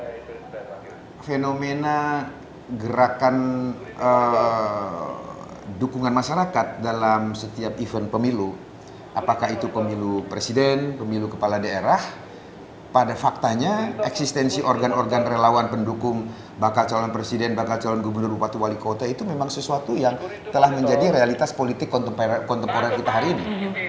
jadi fenomena gerakan dukungan masyarakat dalam setiap event pemilu apakah itu pemilu presiden pemilu kepala daerah pada faktanya eksistensi organ organ relawan pendukung bakal calon presiden bakal calon gubernur bupatu wali kota itu memang sesuatu yang telah menjadi realitas politik kontemporer kita hari ini